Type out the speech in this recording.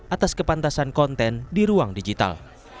atas kepantasan konten di ruang digital